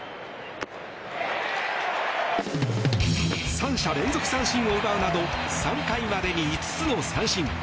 ３者連続三振を奪うなど３回までに５つの三振。